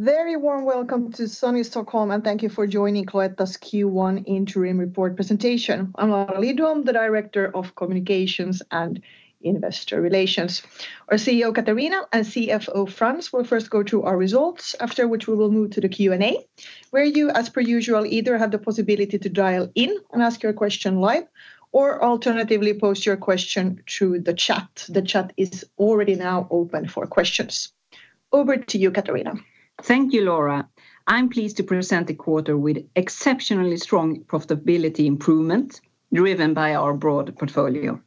Very warm welcome to sunny Stockholm, and thank you for joining Cloetta's Q1 Interim Report presentation. I'm Laura Lindholm, the Director of Communications and Investor Relations. Our CEO, Katarina, and CFO, Frans, will first go through our results, after which we will move to the Q&A, where you, as per usual, either have the possibility to dial in and ask your question live, or alternatively post your question through the chat. The chat is already now open for questions. Over to you, Katarina. Thank you, Laura. I'm pleased to present a quarter with exceptionally strong profitability improvement driven by our broad portfolio.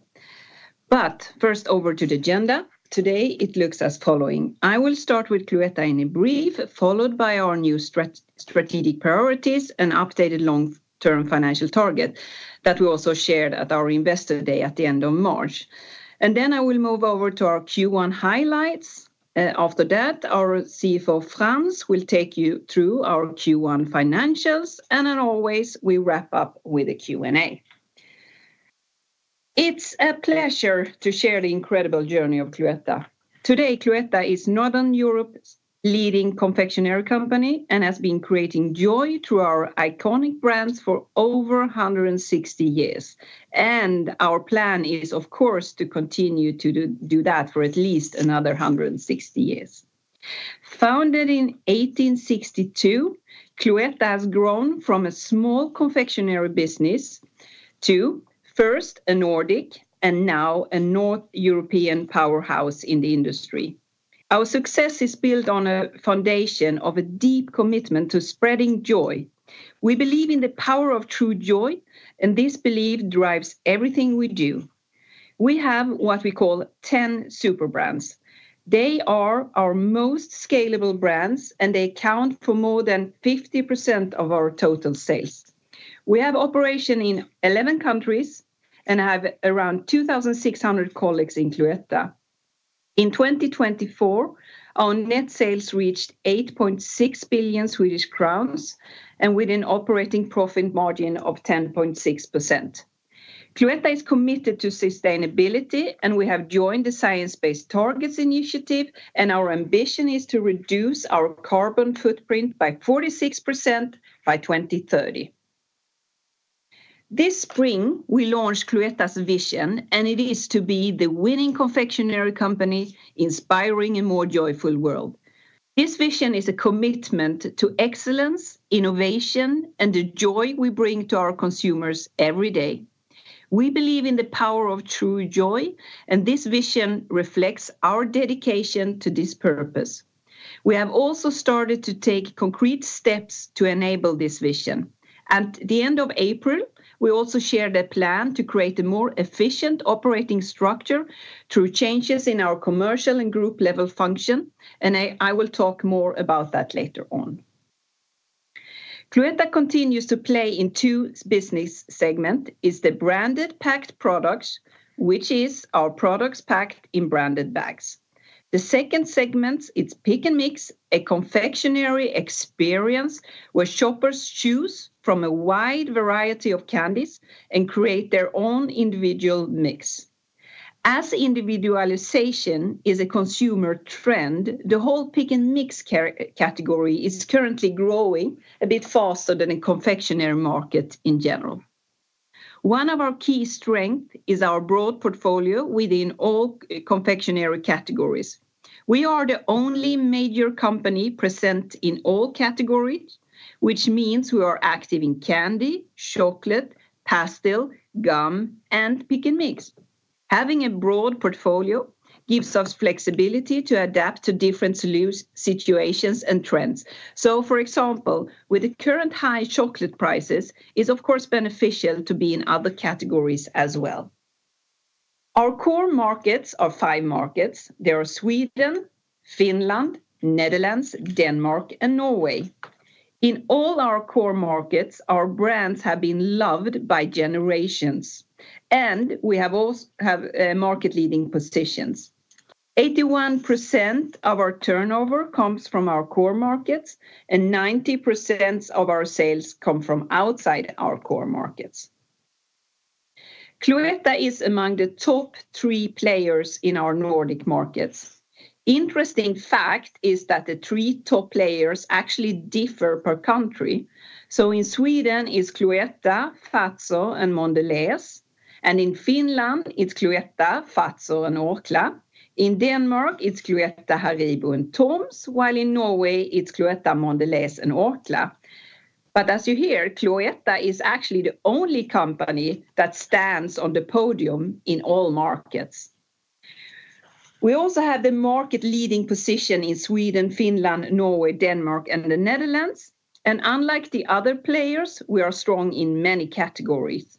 First, over to the agenda. Today, it looks as follows. I will start with Cloetta in a brief, followed by our new strategic priorities and updated long-term financial target that we also shared at our Investor Day at the end of March. I will move over to our Q1 highlights. After that, our CFO, Frans, will take you through our Q1 financials. As always, we wrap up with a Q&A. It's a pleasure to share the incredible journey of Cloetta. Today, Cloetta is Northern Europe's leading confectionery company and has been creating joy through our iconic brands for over 160 years. Our plan is, of course, to continue to do that for at least another 160 years. Founded in 1862, Cloetta has grown from a small confectionery business to, first, a Nordic and now a North European powerhouse in the industry. Our success is built on a foundation of a deep commitment to spreading joy. We believe in the power of true joy, and this belief drives everything we do. We have what we call 10 super brands. They are our most scalable brands, and they account for more than 50% of our total sales. We have operations in 11 countries and have around 2,600 colleagues in Cloetta. In 2024, our net sales reached 8.6 billion Swedish crowns and with an operating profit margin of 10.6%. Cloetta is committed to sustainability, and we have joined the Science-Based Targets initiative, and our ambition is to reduce our carbon footprint by 46% by 2030. This spring, we launched Cloetta's vision, and it is to be the winning confectionery company inspiring a more joyful world. This vision is a commitment to excellence, innovation, and the joy we bring to our consumers every day. We believe in the power of true joy, and this vision reflects our dedication to this purpose. We have also started to take concrete steps to enable this vision. At the end of April, we also shared a plan to create a more efficient operating structure through changes in our commercial and group level function, and I will talk more about that later on. Cloetta continues to play in two business segments: the branded packed products, which are products packed in branded bags. The second segment is pick and mix, a confectionery experience where shoppers choose from a wide variety of candies and create their own individual mix. As individualization is a consumer trend, the whole pick and mix category is currently growing a bit faster than the confectionery market in general. One of our key strengths is our broad portfolio within all confectionery categories. We are the only major company present in all categories, which means we are active in candy, chocolate, pastilles, gum, and pick and mix. Having a broad portfolio gives us flexibility to adapt to different situations and trends. For example, with the current high chocolate prices, it is, of course, beneficial to be in other categories as well. Our core markets are five markets. They are Sweden, Finland, Netherlands, Denmark, and Norway. In all our core markets, our brands have been loved by generations, and we have market-leading positions. 81% of our turnover comes from our core markets, and 90% of our sales come from outside our core markets. Cloetta is among the top three players in our Nordic markets. Interesting fact is that the three top players actually differ per country. In Sweden, it's Cloetta, Fazer, and Mondelēz. In Finland, it's Cloetta, Fazer, and Orkla. In Denmark, it's Cloetta, Haribo, and Toms, while in Norway, it's Cloetta, Mondelēz, and Orkla. As you hear, Cloetta is actually the only company that stands on the podium in all markets. We also have the market-leading position in Sweden, Finland, Norway, Denmark, and the Netherlands. Unlike the other players, we are strong in many categories.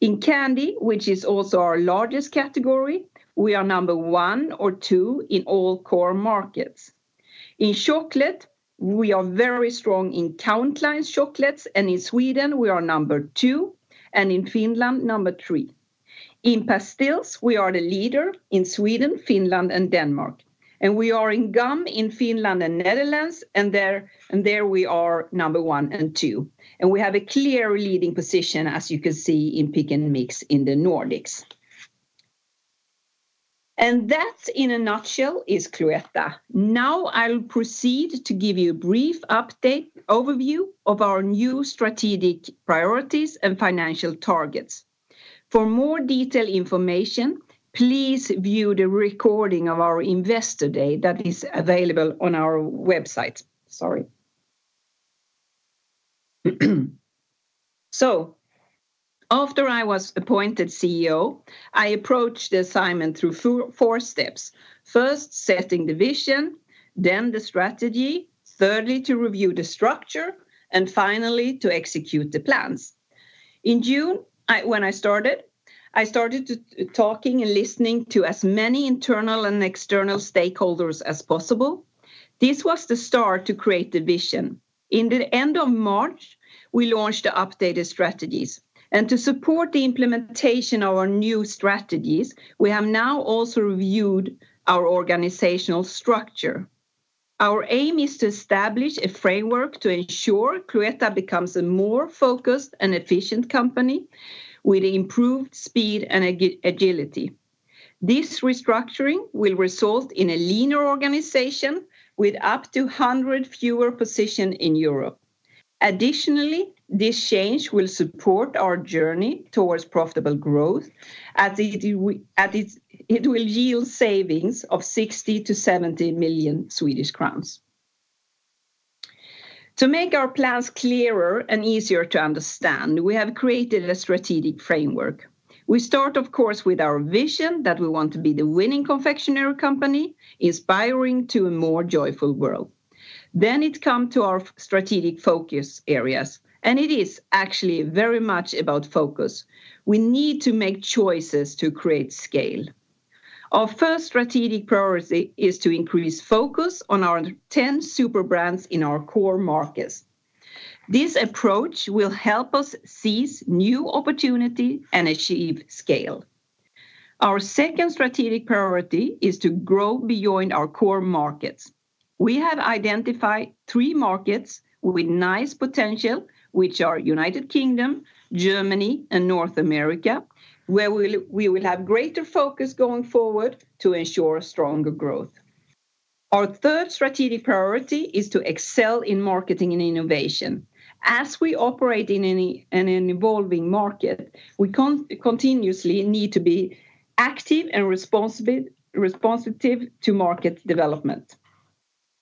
In candy, which is also our largest category, we are number one or two in all core markets. In chocolate, we are very strong in countline chocolates, and in Sweden, we are number two, and in Finland, number three. In pastilles, we are the leader in Sweden, Finland, and Denmark. We are in gum in Finland and Netherlands, and there we are number one and two. We have a clear leading position, as you can see, in pick and mix in the Nordics. That, in a nutshell, is Cloetta. Now I'll proceed to give you a brief update overview of our new strategic priorities and financial targets. For more detailed information, please view the recording of our Investor Day that is available on our website. Sorry. After I was appointed CEO, I approached the assignment through four steps. First, setting the vision, then the strategy, thirdly, to review the structure, and finally, to execute the plans. In June, when I started, I started talking and listening to as many internal and external stakeholders as possible. This was the start to create the vision. In the end of March, we launched the updated strategies. To support the implementation of our new strategies, we have now also reviewed our organizational structure. Our aim is to establish a framework to ensure Cloetta becomes a more focused and efficient company with improved speed and agility. This restructuring will result in a leaner organization with up to 100 fewer positions in Europe. Additionally, this change will support our journey towards profitable growth, as it will yield savings of 60 million-70 million Swedish crowns. To make our plans clearer and easier to understand, we have created a strategic framework. We start, of course, with our vision that we want to be the winning confectionery company inspiring to a more joyful world. It comes to our strategic focus areas. It is actually very much about focus. We need to make choices to create scale. Our first strategic priority is to increase focus on our 10 super brands in our core markets. This approach will help us seize new opportunities and achieve scale. Our second strategic priority is to grow beyond our core markets. We have identified three markets with nice potential, which are the United Kingdom, Germany, and North America, where we will have greater focus going forward to ensure stronger growth. Our third strategic priority is to excel in marketing and innovation. As we operate in an evolving market, we continuously need to be active and responsive to market development.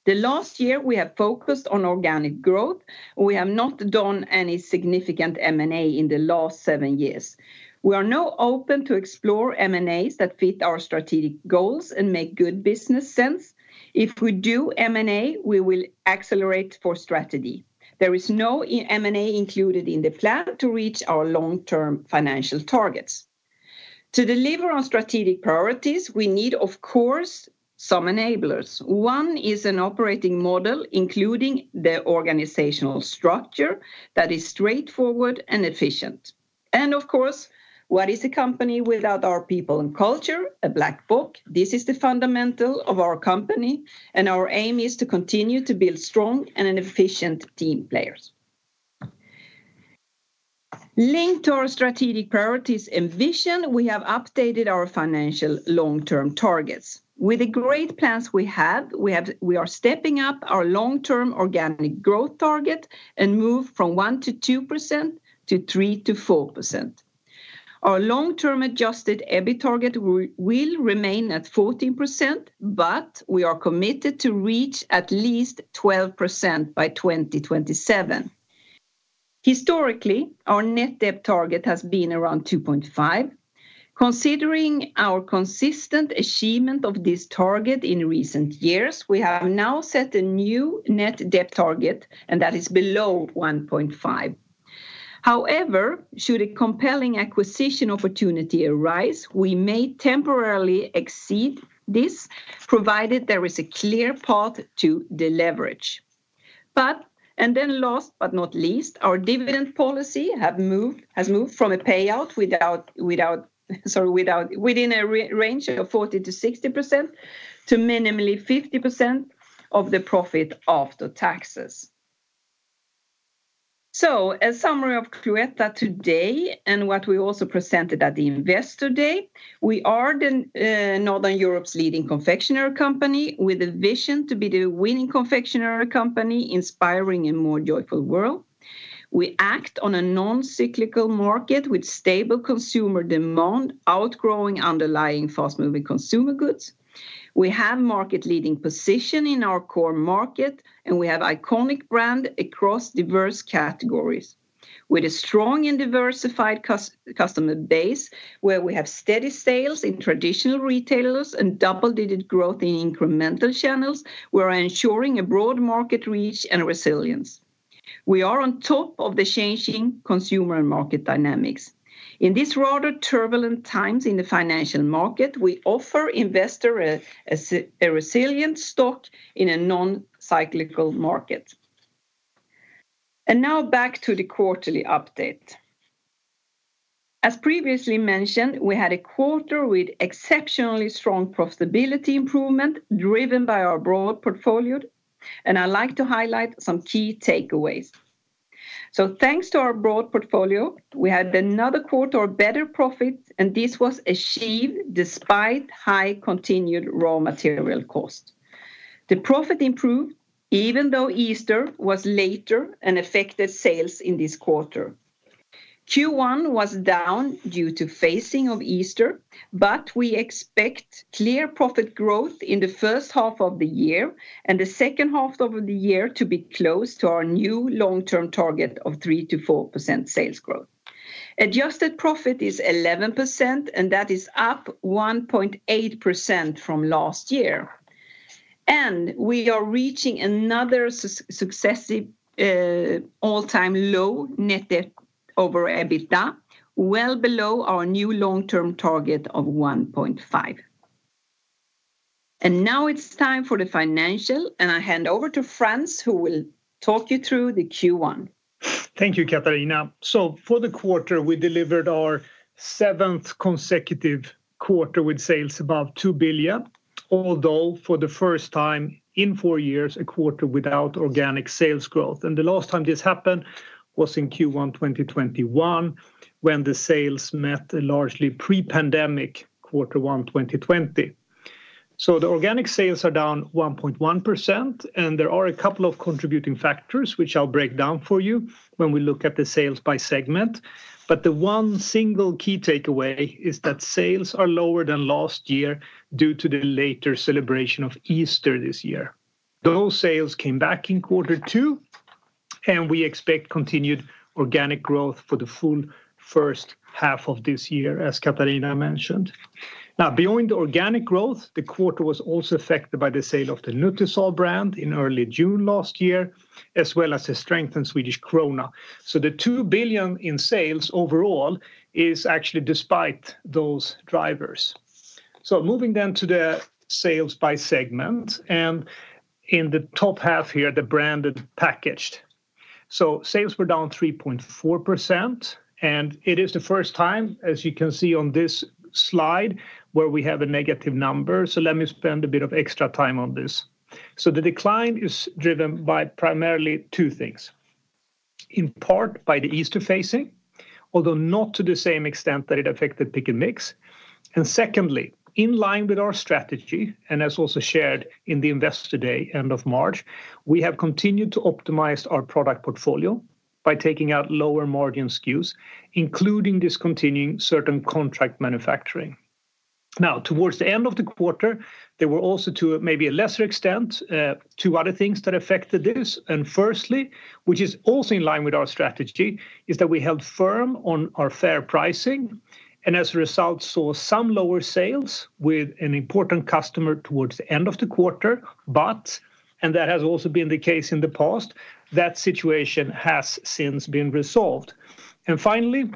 The last year, we have focused on organic growth. We have not done any significant M&A in the last seven years. We are now open to explore M&As that fit our strategic goals and make good business sense. If we do M&A, we will accelerate for strategy. There is no M&A included in the plan to reach our long-term financial targets. To deliver on strategic priorities, we need, of course, some enablers. One is an operating model, including the organizational structure that is straightforward and efficient. Of course, what is a company without our people and culture? A black book. This is the fundamental of our company, and our aim is to continue to build strong and efficient team players. Linked to our strategic priorities and vision, we have updated our financial long-term targets. With the great plans we have, we are stepping up our long-term organic growth target and moving from 1-2% to 3-4%. Our long-term adjusted EBIT target will remain at 14%, but we are committed to reach at least 12% by 2027. Historically, our net debt target has been around 2.5. Considering our consistent achievement of this target in recent years, we have now set a new net debt target, and that is below 1.5. However, should a compelling acquisition opportunity arise, we may temporarily exceed this, provided there is a clear path to the leverage. Last but not least, our dividend policy has moved from a payout within a range of 40-60% to minimally 50% of the profit after taxes. A summary of Cloetta today and what we also presented at the Investor Day. We are Northern Europe's leading confectionery company with a vision to be the winning confectionery company inspiring a more joyful world. We act on a non-cyclical market with stable consumer demand, outgrowing underlying fast-moving consumer goods. We have a market-leading position in our core market, and we have an iconic brand across diverse categories. With a strong and diversified customer base where we have steady sales in traditional retailers and double-digit growth in incremental channels, we are ensuring a broad market reach and resilience. We are on top of the changing consumer and market dynamics. In these rather turbulent times in the financial market, we offer investors a resilient stock in a non-cyclical market. Now back to the quarterly update. As previously mentioned, we had a quarter with exceptionally strong profitability improvement driven by our broad portfolio. I would like to highlight some key takeaways. Thanks to our broad portfolio, we had another quarter of better profit, and this was achieved despite high continued raw material cost. The profit improved even though Easter was later and affected sales in this quarter. Q1 was down due to the phasing of Easter, but we expect clear profit growth in the first half of the year and the second half of the year to be close to our new long-term target of 3-4% sales growth. Adjusted profit is 11%, and that is up 1.8% from last year. We are reaching another successive all-time low net debt over EBITDA, well below our new long-term target of 1.5. Now it is time for the financial, and I hand over to Frans, who will talk you through the Q1. Thank you, Katarina. For the quarter, we delivered our seventh consecutive quarter with sales above 2 billion, although for the first time in four years, a quarter without organic sales growth. The last time this happened was in Q1 2021, when the sales met a largely pre-pandemic quarter 1 2020. The organic sales are down 1.1%, and there are a couple of contributing factors, which I'll break down for you when we look at the sales by segment. The one single key takeaway is that sales are lower than last year due to the later celebration of Easter this year. Those sales came back in quarter two, and we expect continued organic growth for the full first half of this year, as Katarina mentioned. Now, beyond organic growth, the quarter was also affected by the sale of the Nutrisol brand in early June last year, as well as the strengthened SEK. The 2 billion in sales overall is actually despite those drivers. Moving then to the sales by segment, and in the top half here, the branded packaged. Sales were down 3.4%, and it is the first time, as you can see on this slide, where we have a negative number. Let me spend a bit of extra time on this. The decline is driven by primarily two things. In part, by the Easter phasing, although not to the same extent that it affected pick and mix. Secondly, in line with our strategy, and as also shared in the Investor Day end of March, we have continued to optimize our product portfolio by taking out lower margin SKUs, including discontinuing certain contract manufacturing. Now, towards the end of the quarter, there were also to maybe a lesser extent two other things that affected this. Firstly, which is also in line with our strategy, we held firm on our fair pricing, and as a result, saw some lower sales with an important customer towards the end of the quarter. That has also been the case in the past; that situation has since been resolved. Finally,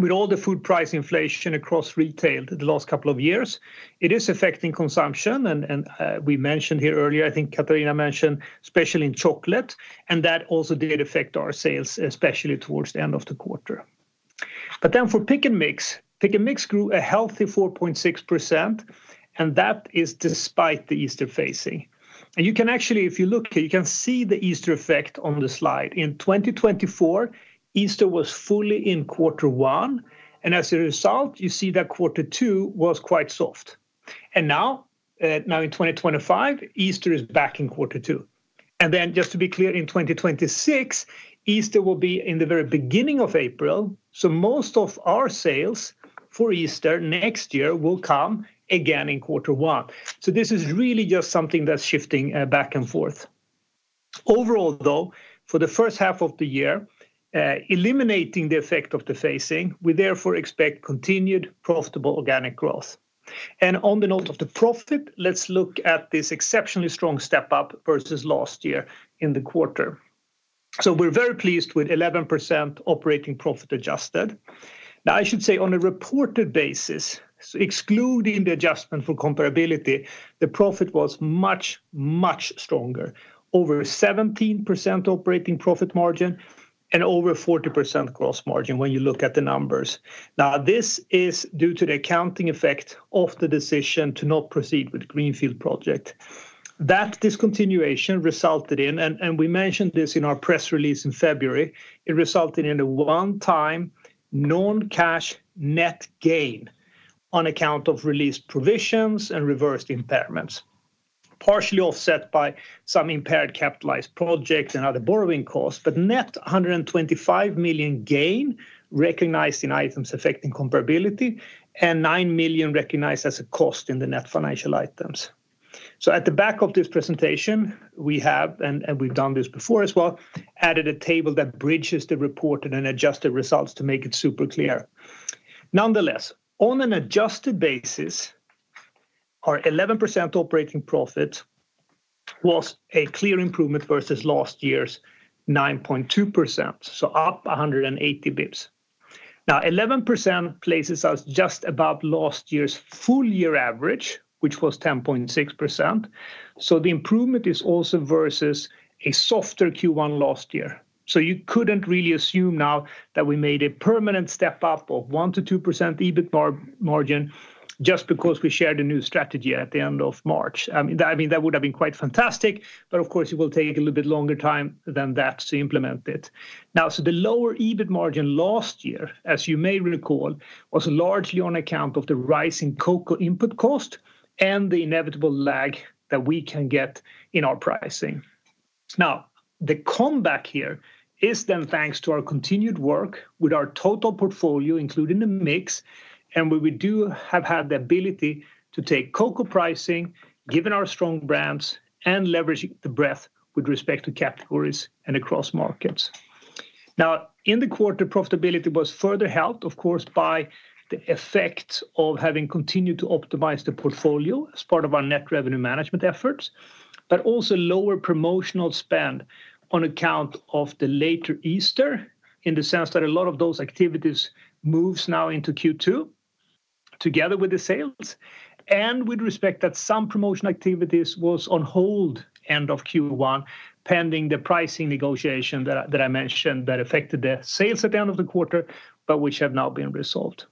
with all the food price inflation across retail the last couple of years, it is affecting consumption, and we mentioned here earlier, I think Katarina mentioned, especially in chocolate, and that also did affect our sales, especially towards the end of the quarter. For pick and mix, pick and mix grew a healthy 4.6%, and that is despite the Easter phasing. You can actually, if you look, you can see the Easter effect on the slide. In 2024, Easter was fully in quarter one, and as a result, you see that quarter two was quite soft. Now in 2025, Easter is back in quarter two. Just to be clear, in 2026, Easter will be in the very beginning of April. Most of our sales for Easter next year will come again in quarter one. This is really just something that's shifting back and forth. Overall, though, for the first half of the year, eliminating the effect of the phasing, we therefore expect continued profitable organic growth. On the note of the profit, let's look at this exceptionally strong step up versus last year in the quarter. We're very pleased with 11% operating profit adjusted. Now, I should say on a reported basis, excluding the adjustment for comparability, the profit was much, much stronger, over 17% operating profit margin and over 40% gross margin when you look at the numbers. Now, this is due to the accounting effect of the decision to not proceed with the Greenfield project. That discontinuation resulted in, and we mentioned this in our press release in February, it resulted in a one-time non-cash net gain on account of released provisions and reversed impairments, partially offset by some impaired capitalized project and other borrowing costs, but net 125 million gain recognized in items affecting comparability and 9 million recognized as a cost in the net financial items. At the back of this presentation, we have, and we have done this before as well, added a table that bridges the reported and adjusted results to make it super clear. Nonetheless, on an adjusted basis, our 11% operating profit was a clear improvement versus last year's 9.2%, so up 180 basis points. Now, 11% places us just above last year's full year average, which was 10.6%. The improvement is also versus a softer Q1 last year. You could not really assume now that we made a permanent step up of 1-2% EBIT margin just because we shared a new strategy at the end of March. I mean, that would have been quite fantastic, but of course, it will take a little bit longer time than that to implement it. The lower EBIT margin last year, as you may recall, was largely on account of the rising cocoa input cost and the inevitable lag that we can get in our pricing. Now, the comeback here is then thanks to our continued work with our total portfolio, including the mix, and we do have had the ability to take cocoa pricing, given our strong brands, and leverage the breadth with respect to categories and across markets. In the quarter, profitability was further helped, of course, by the effects of having continued to optimize the portfolio as part of our net revenue management efforts, but also lower promotional spend on account of the later Easter in the sense that a lot of those activities moved now into Q2 together with the sales. With respect to that, some promotional activities were on hold end of Q1, pending the pricing negotiation that I mentioned that affected the sales at the end of the quarter, but which have now been resolved.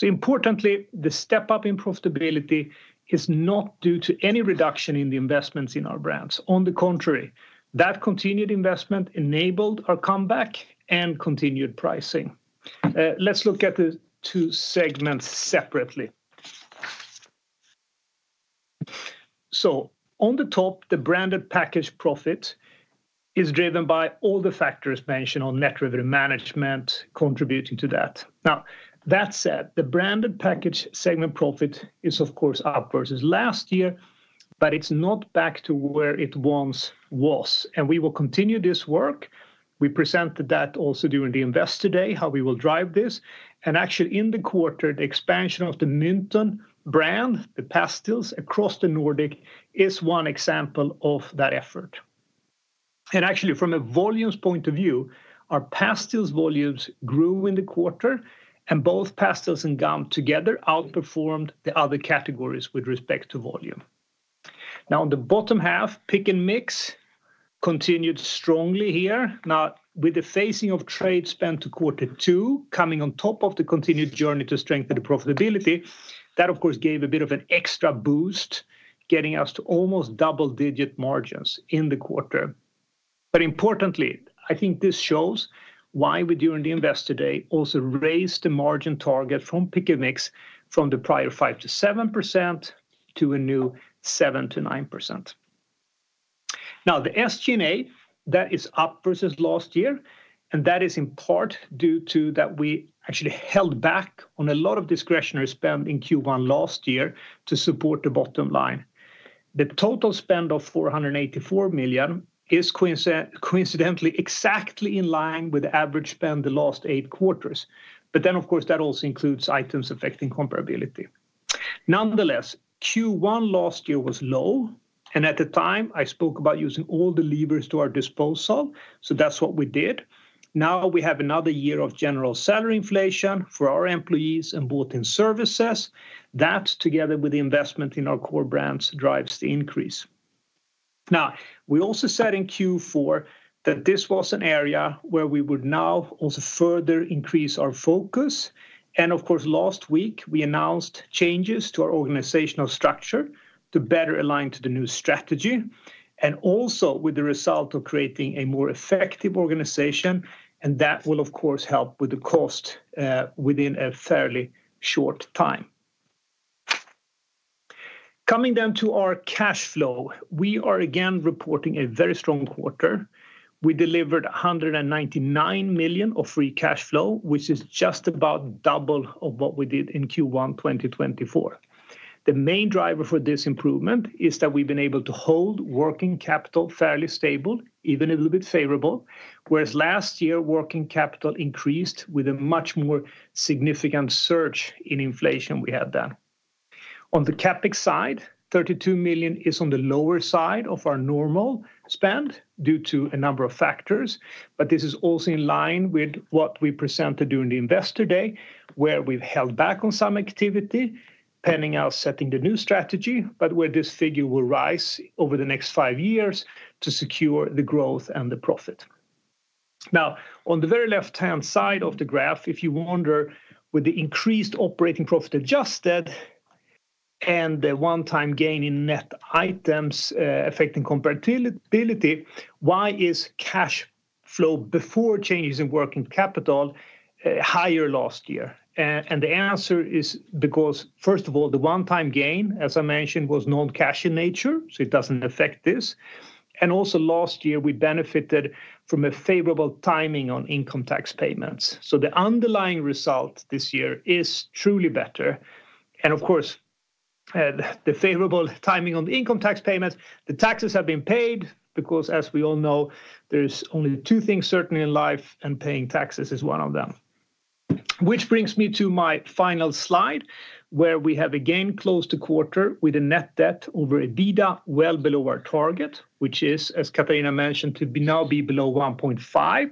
Importantly, the step up in profitability is not due to any reduction in the investments in our brands. On the contrary, that continued investment enabled our comeback and continued pricing. Let's look at the two segments separately. On the top, the branded packed profit is driven by all the factors mentioned on net revenue management contributing to that. That said, the branded packed segment profit is, of course, up versus last year, but it's not back to where it once was. We will continue this work. We presented that also during the Investor Day, how we will drive this. Actually, in the quarter, the expansion of the Minton brand, the pastilles across the Nordics, is one example of that effort. Actually, from a volumes point of view, our pastilles volumes grew in the quarter, and both pastilles and gum together outperformed the other categories with respect to volume. On the bottom half, pick and mix continued strongly here. With the phasing of trade spend to quarter two, coming on top of the continued journey to strengthen the profitability, that, of course, gave a bit of an extra boost, getting us to almost double-digit margins in the quarter. Importantly, I think this shows why we during the Investor Day also raised the margin target from pick and mix from the prior 5-7% to a new 7-9%. The SG&A, that is up versus last year, and that is in part due to that we actually held back on a lot of discretionary spend in Q1 last year to support the bottom line. The total spend of 484 million is coincidentally exactly in line with the average spend the last eight quarters. Of course, that also includes items affecting comparability. Nonetheless, Q1 last year was low, and at the time, I spoke about using all the levers to our disposal, so that's what we did. Now, we have another year of general salary inflation for our employees and bought-in services that, together with the investment in our core brands, drives the increase. We also said in Q4 that this was an area where we would now also further increase our focus. Of course, last week, we announced changes to our organizational structure to better align to the new strategy, and also with the result of creating a more effective organization, and that will, of course, help with the cost within a fairly short time. Coming then to our cash flow, we are again reporting a very strong quarter. We delivered 199 million of free cash flow, which is just about double of what we did in Q1 2024. The main driver for this improvement is that we've been able to hold working capital fairly stable, even a little bit favorable, whereas last year, working capital increased with a much more significant surge in inflation we had then. On the CapEx side, 32 million is on the lower side of our normal spend due to a number of factors, but this is also in line with what we presented during the Investor Day, where we've held back on some activity, pending our setting the new strategy, but where this figure will rise over the next five years to secure the growth and the profit. Now, on the very left-hand side of the graph, if you wonder, with the increased operating profit adjusted and the one-time gain in net items affecting comparability, why is cash flow before changes in working capital higher last year? The answer is because, first of all, the one-time gain, as I mentioned, was non-cash in nature, so it does not affect this. Also, last year, we benefited from a favorable timing on income tax payments. The underlying result this year is truly better. Of course, the favorable timing on the income tax payments, the taxes have been paid because, as we all know, there are only two things certain in life, and paying taxes is one of them. Which brings me to my final slide, where we have again closed the quarter with a net debt over EBITDA well below our target, which is, as Katarina mentioned, to now be below 1.5,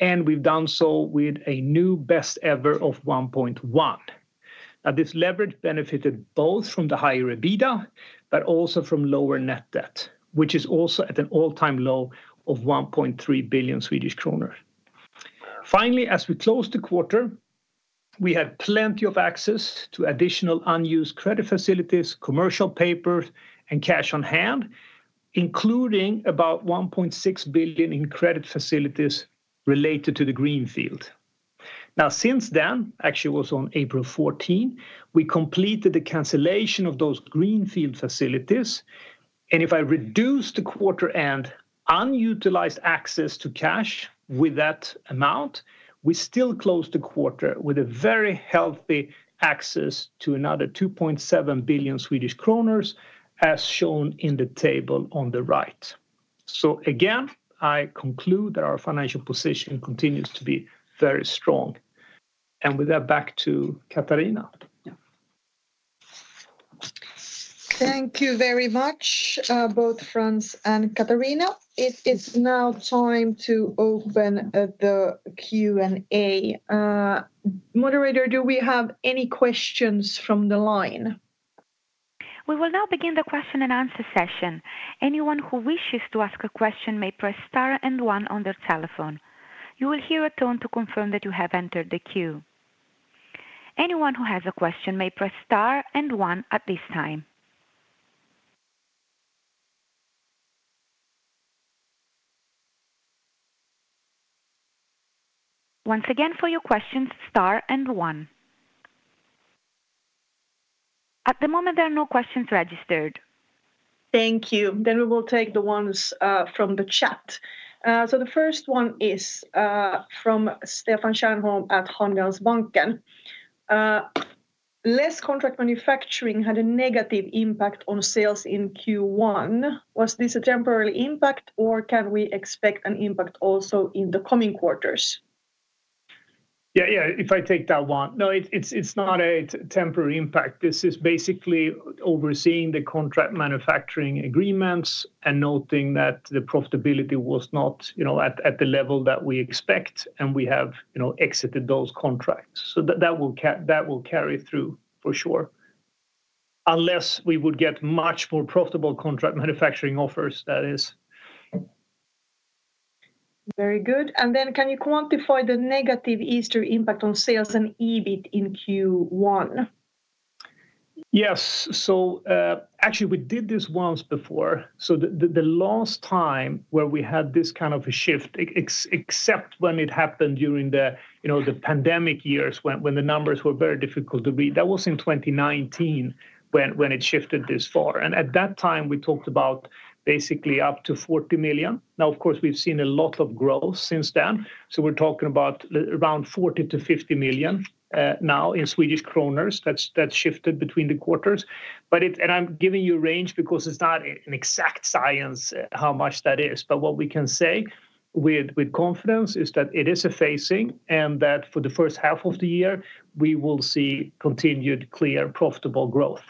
and we have done so with a new best ever of 1.1. Now, this leverage benefited both from the higher EBITDA, but also from lower net debt, which is also at an all-time low of 1.3 billion Swedish kronor. Finally, as we closed the quarter, we had plenty of access to additional unused credit facilities, commercial papers, and cash on hand, including about 1.6 billion in credit facilities related to the Greenfield. Now, since then, actually, it was on April 14, we completed the cancellation of those Greenfield facilities. If I reduce the quarter and unutilized access to cash with that amount, we still closed the quarter with a very healthy access to another 2.7 billion Swedish kronor, as shown in the table on the right. I conclude that our financial position continues to be very strong. With that, back to Katarina. Thank you very much, both Frans and Katarina. It is now time to open the Q&A. Moderator, do we have any questions from the line? We will now begin the question and answer session. Anyone who wishes to ask a question may press star and one on their telephone. You will hear a tone to confirm that you have entered the queue. Anyone who has a question may press star and one at this time. Once again, for your questions, star and one. At the moment, there are no questions registered. Thank you. We will take the ones from the chat. The first one is from Stefan Stjernholm at Handelsbanken. Less contract manufacturing had a negative impact on sales in Q1. Was this a temporary impact, or can we expect an impact also in the coming quarters? Yeah, if I take that one. No, it's not a temporary impact. This is basically overseeing the contract manufacturing agreements and noting that the profitability was not at the level that we expect, and we have exited those contracts. That will carry through for sure, unless we would get much more profitable contract manufacturing offers, that is. Very good. Can you quantify the negative Easter impact on sales and EBIT in Q1? Yes. Actually, we did this once before. The last time where we had this kind of a shift, except when it happened during the pandemic years when the numbers were very difficult to read, that was in 2019 when it shifted this far. At that time, we talked about basically up to 40 million. Now, of course, we've seen a lot of growth since then. We're talking about around 40-50 million now in Swedish kronor that shifted between the quarters. I'm giving you a range because it's not an exact science how much that is. What we can say with confidence is that it is a phasing and that for the first half of the year, we will see continued clear profitable growth.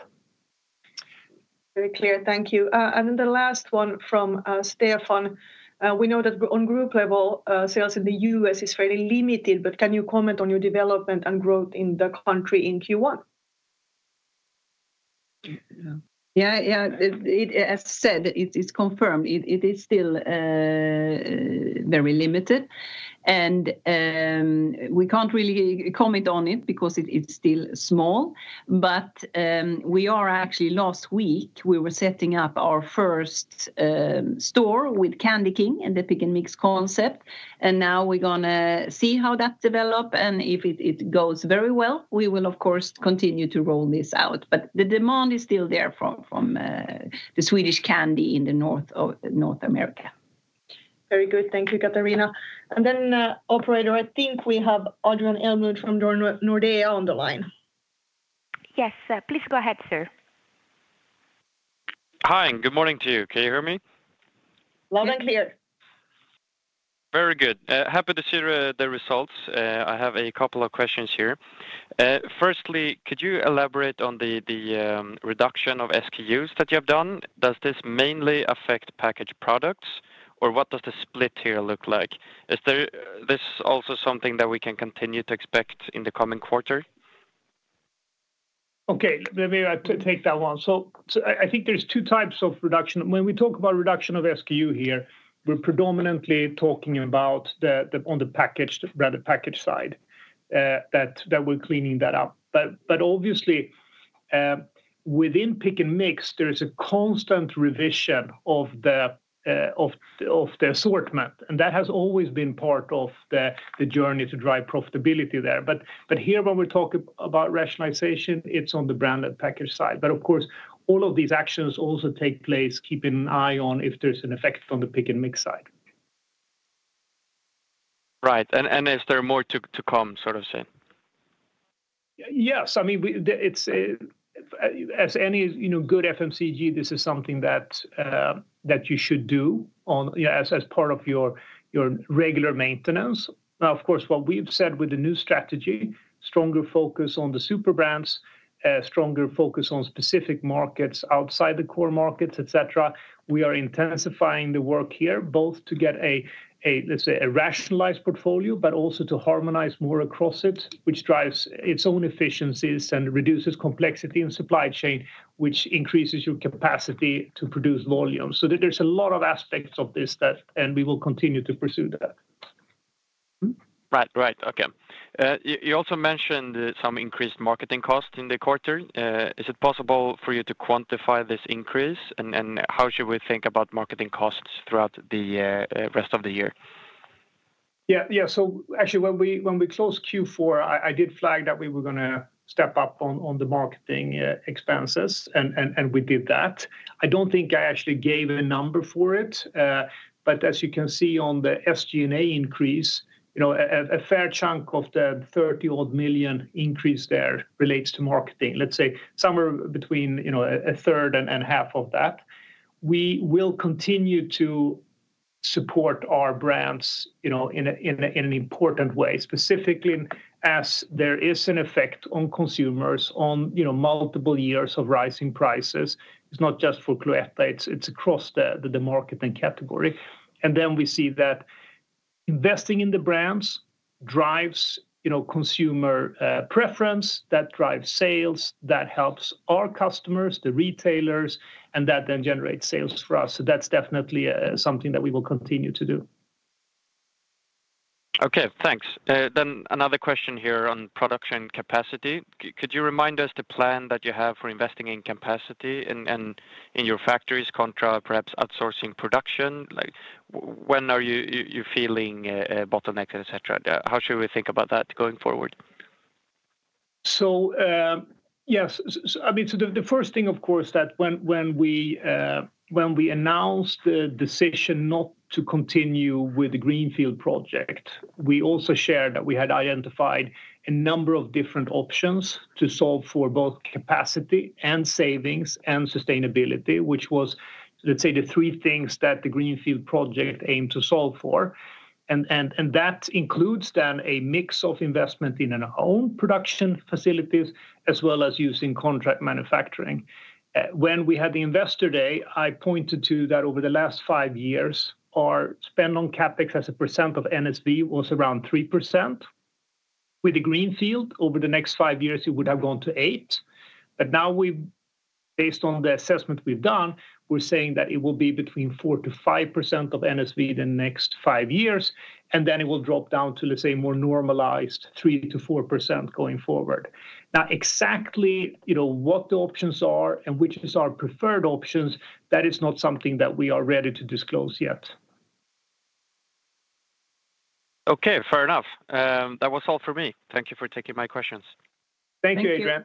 Very clear. Thank you. The last one from Stefan. We know that on group level, sales in the U.S. is fairly limited, but can you comment on your development and growth in the country in Q1? Yeah, yeah, as said, it's confirmed. It is still very limited. We can't really comment on it because it's still small. We are actually, last week, we were setting up our first store with Candy King and the pick and mix concept. Now we're going to see how that develops. If it goes very well, we will, of course, continue to roll this out. The demand is still there from the Swedish candy in North America. Very good. Thank you, Katarina. Operator, I think we have Adrian Elmlund from Nordea on the line. Yes, please go ahead, sir. Hi, and good morning to you. Can you hear me? Loud and clear. Very good. Happy to see the results. I have a couple of questions here. Firstly, could you elaborate on the reduction of SKUs that you have done? Does this mainly affect packaged products, or what does the split here look like? Is this also something that we can continue to expect in the coming quarter? Okay, let me take that one. I think there are two types of reduction. When we talk about reduction of SKU here, we are predominantly talking about the packaged side, that we are cleaning that up. Obviously, within pick and mix, there is a constant revision of the assortment. That has always been part of the journey to drive profitability there. Here, when we are talking about rationalization, it is on the branded packaged side. Of course, all of these actions also take place, keeping an eye on if there's an effect on the pick and mix side. Right. Is there more to come, sort of saying? Yes. I mean, as any good FMCG, this is something that you should do as part of your regular maintenance. Now, of course, what we've said with the new strategy, stronger focus on the super brands, stronger focus on specific markets outside the core markets, et cetera, we are intensifying the work here, both to get a, let's say, a rationalized portfolio, but also to harmonize more across it, which drives its own efficiencies and reduces complexity in supply chain, which increases your capacity to produce volume. There are a lot of aspects of this, and we will continue to pursue that. Right, right. Okay. You also mentioned some increased marketing costs in the quarter. Is it possible for you to quantify this increase, and how should we think about marketing costs throughout the rest of the year? Yeah, yeah. Actually, when we closed Q4, I did flag that we were going to step up on the marketing expenses, and we did that. I do not think I actually gave a number for it. As you can see on the SG&A increase, a fair chunk of the 30 million-odd increase there relates to marketing. Let's say somewhere between a third and half of that. We will continue to support our brands in an important way, specifically as there is an effect on consumers on multiple years of rising prices. It is not just for Cloetta. It is across the marketing category. We see that investing in the brands drives consumer preference, that drives sales, that helps our customers, the retailers, and that then generates sales for us. That is definitely something that we will continue to do. Okay, thanks. Another question here on production capacity. Could you remind us the plan that you have for investing in capacity in your factories contra perhaps outsourcing production? When are you feeling bottlenecks, et cetera? How should we think about that going forward? Yes, I mean, the first thing, of course, is that when we announced the decision not to continue with the Greenfield project, we also shared that we had identified a number of different options to solve for both capacity and savings and sustainability, which were, let's say, the three things that the Greenfield project aimed to solve for. That includes then a mix of investment in our own production facilities, as well as using contract manufacturing. When we had the Investor Day, I pointed to that over the last five years, our spend on CapEx as a percent of NSV was around 3%. With the Greenfield, over the next five years, it would have gone to 8%. Now, based on the assessment we have done, we are saying that it will be between 4%-5% of NSV the next five years, and then it will drop down to, let's say, more normalized 3%-4% going forward. Exactly what the options are and which are preferred options, that is not something that we are ready to disclose yet. Okay, fair enough. That was all for me. Thank you for taking my questions. Thank you, Adrian.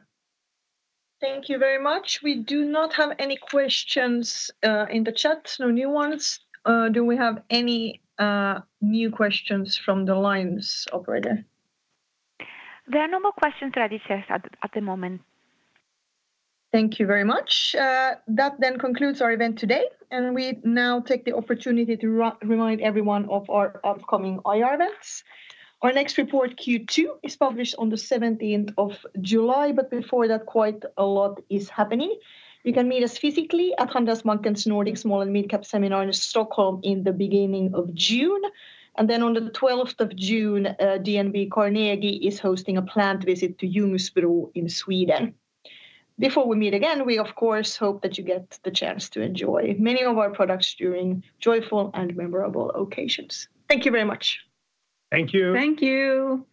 Thank you very much. We do not have any questions in the chat, no new ones. Do we have any new questions from the lines, Operator? There are no more questions to add, I guess, at the moment. Thank you very much. That then concludes our event today. We now take the opportunity to remind everyone of our upcoming IR events. Our next report, Q2, is published on the 17th of July. Before that, quite a lot is happening. You can meet us physically at Handelsbanken's Nordic Small and Midcap Seminar in Stockholm in the beginning of June. On the 12th of June, DNB Carnegie is hosting a plant visit to Ljungsbro in Sweden. Before we meet again, we, of course, hope that you get the chance to enjoy many of our products during joyful and memorable occasions. Thank you very much. Thank you. Thank you.